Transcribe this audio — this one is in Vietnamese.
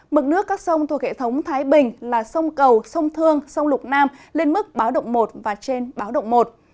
mực nước các sông thuộc hệ thống thái bình là sông cầu sông thương sông lục nam lên mức báo động một và trên báo động một